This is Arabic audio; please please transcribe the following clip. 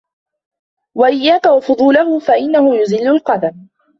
وَإِيَّاكَ وَفُضُولَهُ فَإِنَّهُ يُزِلُّ الْقَدَمَ